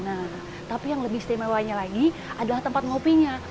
nah tapi yang lebih istimewanya lagi adalah tempat ngopinya